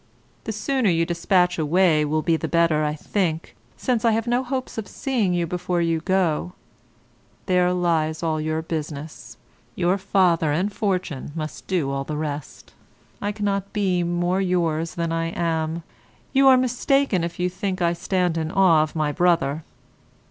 The sooner you despatch away will be the better, I think, since I have no hopes of seeing you before you go; there lies all your business, your father and fortune must do all the rest. I cannot be more yours than I am. You are mistaken if you think I stand in awe of my brother.